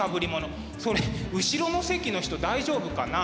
それ後ろの席の人大丈夫かな？